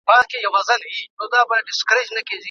د خوشحال خان خټک ژبه پياوړې وه.